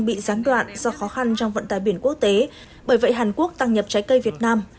hàn quốc đang bị gián đoạn do khó khăn trong vận tải biển quốc tế bởi vậy hàn quốc tăng nhập trái cây việt nam